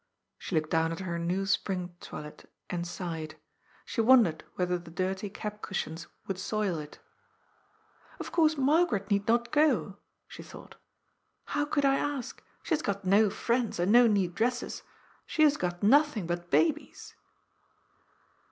She looked down at her new spring toilet and sighed. She wondered .whether the dirty cab cushions would soil it ^' Of course Margaret need not go," she thought. ^^ How could I ask? She has got no friends, and no new dresses. She has got nothing but babies."